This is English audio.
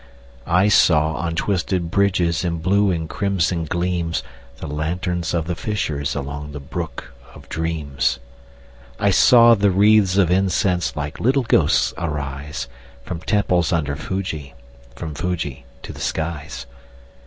I saw, on twisted bridges, In blue and crimson gleams, The lanterns of the fishers, Along the brook of dreams. I saw the wreathes of incense Like little ghosts arise, From temples under Fuji, From Fuji to the skies.